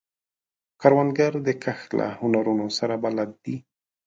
کروندګر د کښت له هنرونو سره بلد دی